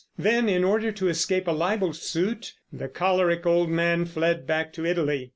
Then, in order to escape a libel suit, the choleric old man fled back to Italy.